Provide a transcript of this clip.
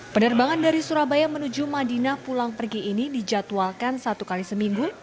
penerbangan dari surabaya menuju madinah pulang pergi ini dijadwalkan satu kali seminggu